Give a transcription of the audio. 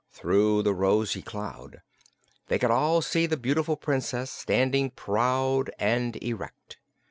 Through the rosy cloud they could all see the beautiful Princess, standing proud and erect.